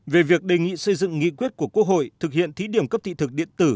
về việc đề nghị xây dựng nghị quyết của quốc hội thực hiện thí điểm cấp thị thực điện tử